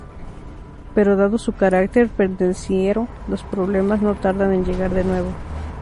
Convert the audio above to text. Pero dado su carácter pendenciero los problemas no tardan en llegar de nuevo.